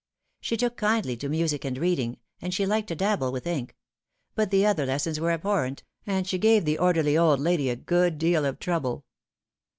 She took kindly to music and reading, and she liked to dabble with ink ; but the other lessons were abhorrent, and she gave the orderly old lady a good deal of trouble.